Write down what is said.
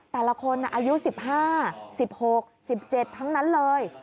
แต่ละคนอายุ๑๕๑๖๑๗ทั้งนั้นเลย